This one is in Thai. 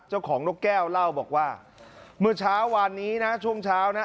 เจ้าของนกแก้วเล่าบอกว่าเมื่อเช้าวานนี้นะช่วงเช้านะ